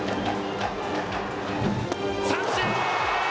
三振！